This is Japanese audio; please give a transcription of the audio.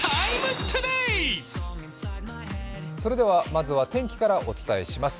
まずは天気からお伝えします。